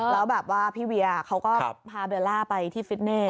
แล้วแบบว่าพี่เวียเขาก็พาเบลล่าไปที่ฟิตเน่